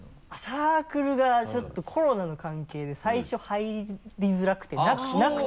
サークルがちょっとコロナの関係で最初入りづらくてなくて。